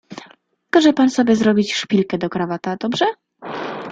"Każe pan sobie zrobić szpilkę do krawata, dobrze?"